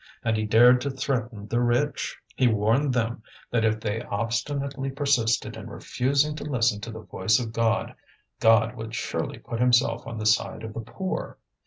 And he dared to threaten the rich. He warned them that if they obstinately persisted in refusing to listen to the voice of God, God would surely put Himself on the side of the poor.